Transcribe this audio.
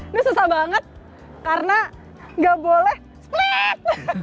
ini susah banget karena nggak boleh split